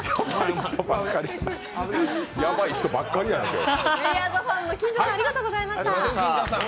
ヤバい人ばっかりや、今日。